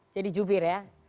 jadi jubir ya